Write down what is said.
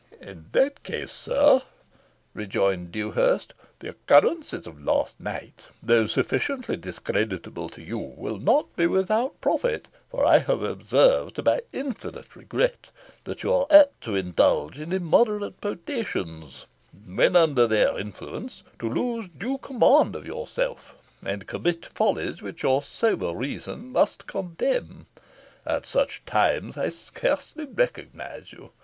"In that case, sir," rejoined Dewhurst, "the occurrences of last night, though sufficiently discreditable to you, will not be without profit; for I have observed to my infinite regret, that you are apt to indulge in immoderate potations, and when under their influence to lose due command of yourself, and commit follies which your sober reason must condemn. At such times I scarcely recognise you.